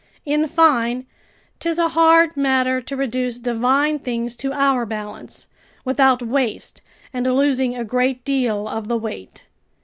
In fine, 'tis a hard matter to reduce divine things to our balance, without waste and losing a great deal of the weight.